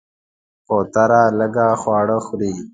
کوتره لږ خواړه خوري.